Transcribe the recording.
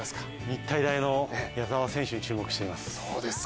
日体大の矢澤選手に注目しています。